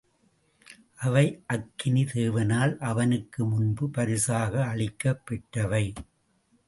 அவை அக்கினி தேவனால் அவனுக்கு முன்பு பரிசாக அளிக்கப் பெற்றவை.